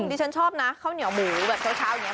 ดิฉันชอบนะข้าวเหนียวหมูแบบเช้าอย่างนี้